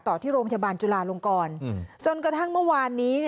ที่โรงพยาบาลจุลาลงกรจนกระทั่งเมื่อวานนี้